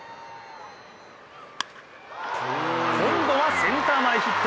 今度はセンター前ヒット。